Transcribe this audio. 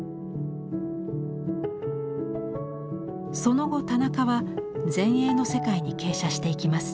その後田中は前衛の世界に傾斜していきます。